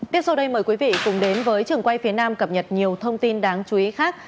tiếp sau đây mời quý vị cùng đến với trường quay phía nam cập nhật nhiều thông tin đáng chú ý khác